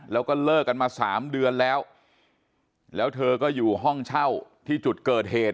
แล้วก็เลิกกันมาสามเดือนแล้วแล้วเธอก็อยู่ห้องเช่าที่จุดเกิดเหตุ